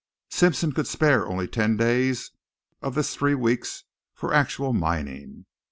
Simpson could spare only ten days of this three weeks for actual mining.